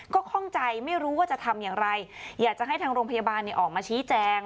ก็ข้องใจไม่รู้ว่าจะทำอย่างไรอยากจะให้ทางโรงพยาบาลออกมาชี้แจง